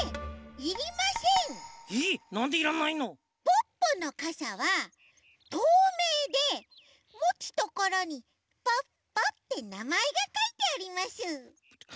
ポッポのかさはとうめいでもつところに「ポッポ」ってなまえがかいてあります。